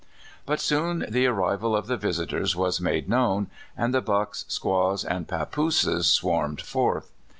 But soon the arrival of the visitors was made known, and the bucks, squaws, and papooses sw^armed forth.